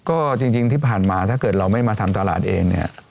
ก็จริงที่ผ่านมาถ้าเกิดเราไม่มาทำตลาดเองเนี่ย